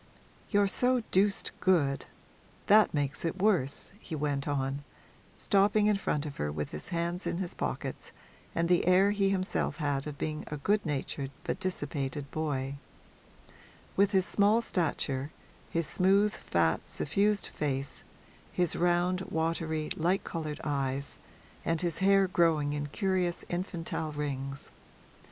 You're so deuced good that makes it worse,' he went on, stopping in front of her with his hands in his pockets and the air he himself had of being a good natured but dissipated boy; with his small stature, his smooth, fat, suffused face, his round, watery, light coloured eyes and his hair growing in curious infantile rings.